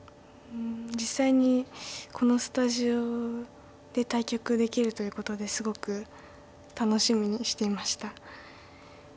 実際にこのスタジオで対局できるということですごく楽しみにしていました。